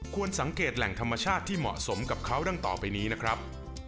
สังเกตแหล่งธรรมชาติที่เหมาะสมกับเขาดังต่อไปนี้นะครับ